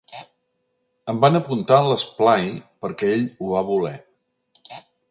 Em van apuntar a l'esplai perquè ell ho va voler.